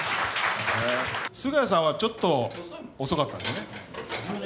菅家さんはちょっと遅かったんですね。